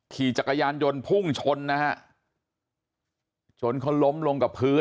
ขี่จักรยานยนต์พุ่งชนนะฮะชนเขาล้มลงกับพื้น